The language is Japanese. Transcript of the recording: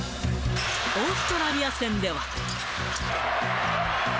オーストラリア戦では。